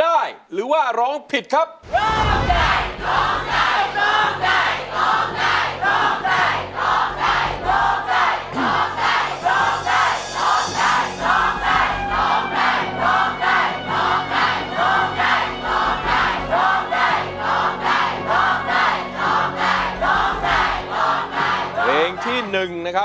น้องกาฟิวร้องได้ครับ